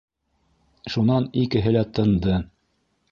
Шунан икеһе лә тынды.